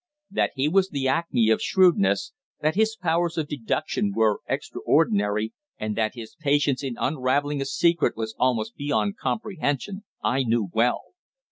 That he was the acme of shrewdness, that his powers of deduction were extraordinary, and that his patience in unravelling a secret was almost beyond comprehension I knew well.